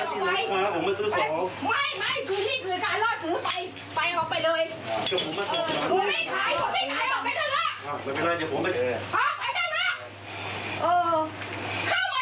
ดีแล้วครับผมมาซื้อสองไม่คือนี่คือการรอดสือไปไปออกไป